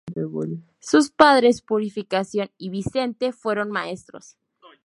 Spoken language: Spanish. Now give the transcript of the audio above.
Sus padres Purificación y Vicente fueron maestros.